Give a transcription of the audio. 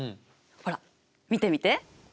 ほら見てみて。